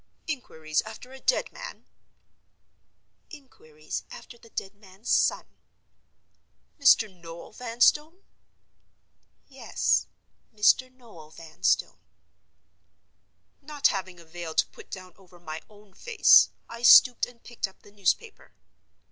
"Inquiries after a dead man?" "Inquiries after the dead man's son." "Mr. Noel Vanstone?" "Yes; Mr. Noel Vanstone." Not having a veil to put down over my own face, I stooped and picked up the newspaper.